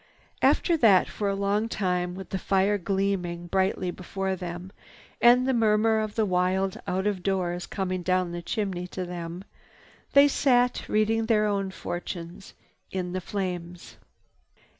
After that, for a long time, with the fire gleaming brightly before them and the murmur of the wild out of doors coming down the chimney to them, they sat reading their own fortunes in the flames.